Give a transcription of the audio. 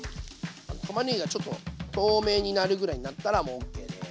たまねぎがちょっと透明になるぐらいになったらもうオッケーです。